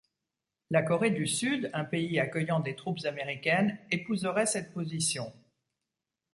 La Corée du Sud, un pays accueillant des troupes américaines, épouserait cette position.